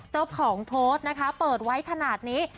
เจ้าของโพสต์นะคะเปิดไว้ขนาดนี้